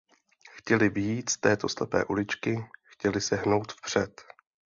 Chtěli vyjít z této slepé uličky, chtěli se hnout vpřed.